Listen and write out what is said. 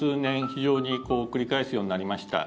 非常に繰り返すようになりました。